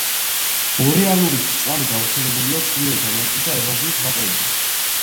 ბორეალური ფიჭვნარი გავრცელებულია ჩრდილოეთ ამერიკისა და ევრაზიის ვაკეებზე.